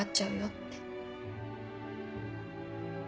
って。